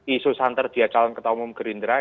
isu santer dia calon ketua umum gerindra